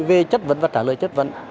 về chất vấn và trả lời chất vấn